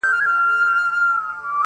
دغه دی يو يې وړمه، دغه دی خو غلا یې کړم